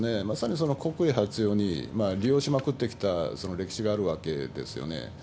まさにこの国威発揚に利用しまくってきた歴史があるわけですよね。